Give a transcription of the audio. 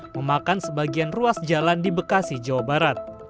memakan sebagian ruas jalan di bekasi jawa barat